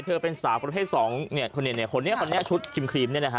เธอเป็นสาวประเภทสองเนี่ยคนนี้คนนี้ชุดคิมครีมเนี่ยนะฮะ